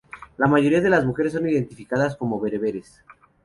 La mayoría de las mujeres son identificadas como bereberes.